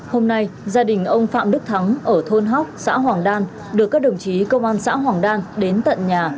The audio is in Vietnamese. hôm nay gia đình ông phạm đức thắng ở thôn hóc xã hoàng đan được các đồng chí công an xã hoàng đan đến tận nhà